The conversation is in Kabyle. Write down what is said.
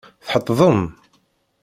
Tḥettdem?